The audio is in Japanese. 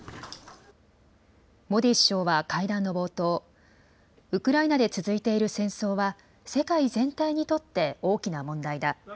モディ首相は会談の冒頭、ウクライナで続いている戦争は、世界全体にとって大きな問題だ。